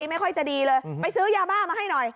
ไม่ค่อยจะดีเลยไปซื้อยาบ้ามาให้หน่อย